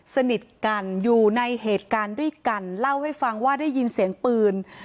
สนิทกันอยู่ในเหตุการณ์ด้วยกันเล่าให้ฟังว่าได้ยินเสียงปืน